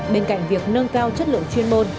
bên cạnh việc nâng cao chất lượng chuyên môn